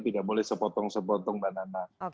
tidak boleh sepotong sepotong mbak nana